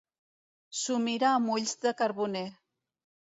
S'ho mira amb ulls de carboner.